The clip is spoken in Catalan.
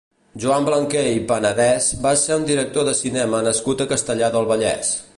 Joan Blanquer i Panadès va ser un director de cinema nascut a Castellar del Vallès.